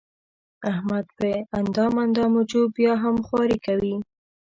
احمد په اندام اندام وجود بیا هم خواري کوي.